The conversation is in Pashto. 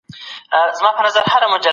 بریالیتوب ستاسو په برخه.